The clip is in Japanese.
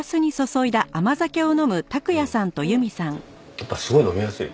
やっぱりすごい飲みやすい。